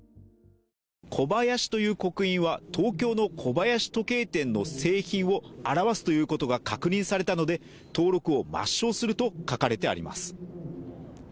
小林という刻印は、東京の小林時計店の製品を表すということが確認されたので、登録を抹消すると書かれています。